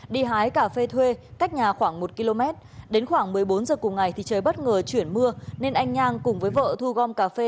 đi hái cà phê thuê cách nhà khoảng một km đến khoảng một mươi bốn h cùng ngày thì trời bất ngờ chuyển mưa nên anh nhang cùng với vợ thu gom cà phê